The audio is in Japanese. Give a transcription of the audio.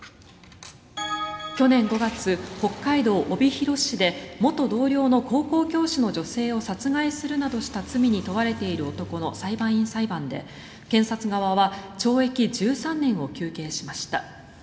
去年５月、北海道帯広市で元同僚の高校教師の女性を殺害するなどした罪に問われている男の裁判員裁判で、検察側は懲役１３年を求刑しました。